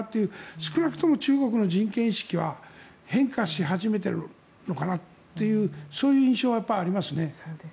少なくとも中国の人権意識は変化し始めているのかなというそういう印象はありますね。